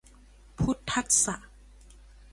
พุทธัสสะ